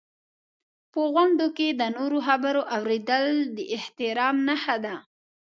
په غونډو کې د نورو خبرو اورېدل د احترام نښه ده.